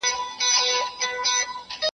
زما د سر امان دي وي لویه واکمنه .